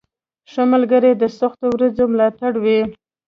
• ښه ملګری د سختو ورځو ملاتړ وي.